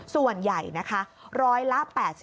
ส่วนใหญ่นะคะ๑๐๐ละ๘๘